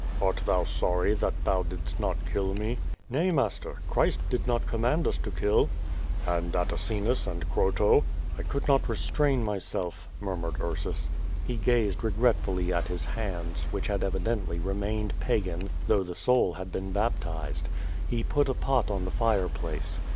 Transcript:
"Art thou sorry that thou didst not kill me?" "Nay, master. Christ did not command us to kill." "And Atacinus and Croto?" "I could not restrain myself," murmured Ursus. He gazed regretfully at his hands, which had evidently remain ed Pagan though the soul had been baptized. He put a i)ot on the fireplace.